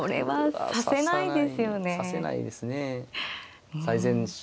はい。